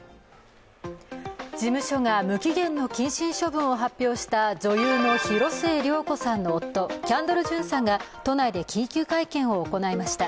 事務所が無期限の謹慎処分を発表した女優の広末涼子さんの夫、キャンドル・ジュンさんが都内で緊急会見を行いました。